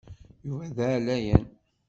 Yuba d aɛlayan.